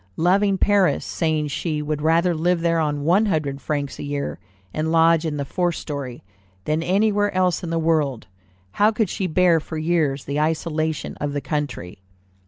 Loving Paris, saying she would rather live there on "one hundred francs a year, and lodge in the fourth story," than anywhere else in the world, how could she bear for years the isolation of the country?